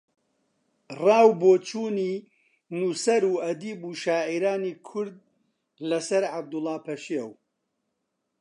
ڕاو بۆچوونی نووسەر و ئەدیب و شاعیرانی کورد لە سەر عەبدوڵڵا پەشێو